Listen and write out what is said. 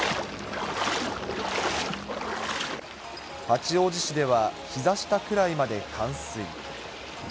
八王子市では、ひざ下くらいまで冠水。